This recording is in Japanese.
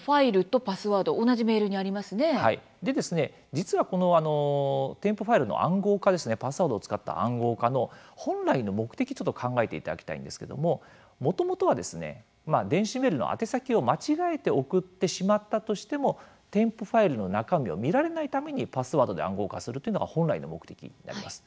実は添付ファイルの暗号化パスワードを使った暗号化の本来の目的ちょっと考えていただきたいんですけどももともとは電子メールの宛先を間違えて送ってしまったとしても添付ファイルの中身を見られないためにパスワードで暗号化するというのが本来の目的になります。